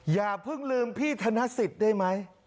อย่าเพิ่งลืมพี่ธนสิทธิ์ได้ไหม